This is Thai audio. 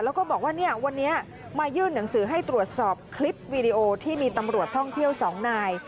แล้วก็บอกว่าเนี่ยวันนี้มายื่นหนังสือให้ตรวจสอบคลิปวีดีโอที่มีตำรวจท่องเที่ยว๒นาย